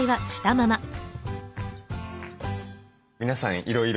皆さんいろいろ。